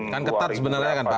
kan ketat sebenarnya kan pak